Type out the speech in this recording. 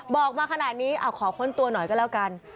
บอกมาขนาดนี้ขอค้นตัวหน่อยก็แล้วกัน